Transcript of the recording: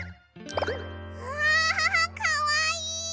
うわかわいい。